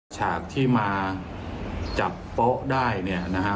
ฉากที่มาจับโป๊ะได้เนี่ยนะฮะ